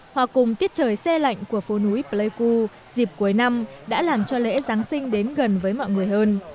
hòa cùng tiết trời xe lạnh của phố núi pleiku dịp cuối năm đã làm cho lễ giáng sinh đến gần với mọi người hơn